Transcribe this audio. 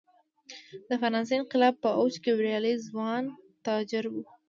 د فرانسې انقلاب په اوج کې بریالي ځوان تاجر و.